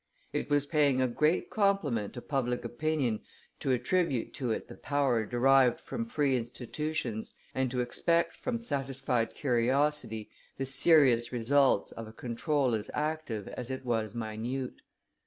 It was paying a great compliment to public opinion to attribute to it the power derived from free institutions and to expect from satisfied curiosity the serious results of a control as active as it was minute.